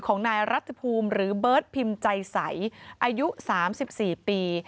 ของนายรัฐภูมิหรือเบิร์ตพิมพ์ใจใสอายุ๓๔ปี